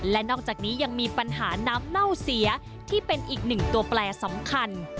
และนอกจากนี้ยังมีปัญหาน้ำเน่าเสียที่เป็นอีกหนึ่งตัวแปลสำคัญ